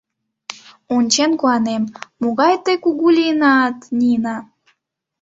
Ончен куанем: могай тый кугу лийынат, Нина.